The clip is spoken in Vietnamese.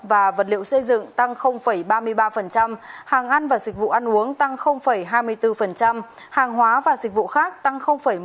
và vật liệu xây dựng tăng ba mươi ba hàng ăn và dịch vụ ăn uống tăng hai mươi bốn hàng hóa và dịch vụ khác tăng một mươi năm